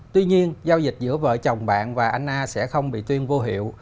tuy nhiên giao dịch giữa vợ chồng bạn và anh a sẽ không bị tuyên vô hiệu